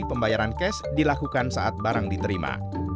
pembayaran cash dilakukan saat barang diterima